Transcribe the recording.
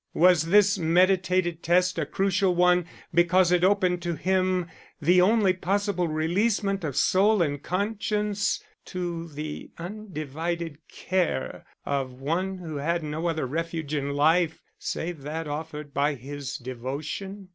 Was this meditated test a crucial one, because it opened to him the only possible releasement of soul and conscience to the undivided care of one who had no other refuge in life save that offered by his devotion?